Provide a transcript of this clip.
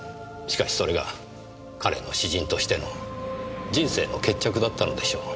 しかしそれが彼の詩人としての人生の決着だったのでしょう。